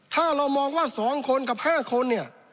ถ้าเรามองว่า๒คนกับ๕คนเนี่ย